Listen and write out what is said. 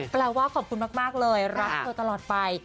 แปลว่าขอบคุณมากเลยรักเธอตลอดไป